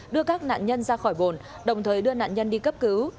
đưa các nạn nhân ra khỏi bồn đồng thời đưa nạn nhân đi cấp cứu